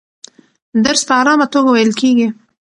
درس په ارامه توګه ویل کېږي.